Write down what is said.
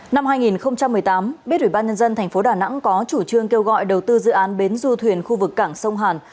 năm hai nghìn một mươi tám biết ủy ban nhân dân thành phố đà nẵng có chủ trương kêu gọi đầu tư dự án bến du thuyền khu vực cảng sông hàn